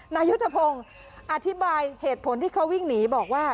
นายุทธพงศ์อธิบายเหตุผลที่เขาวิ่งหนีบอกว่า